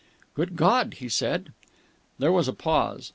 "Good God!" he said. There was a pause.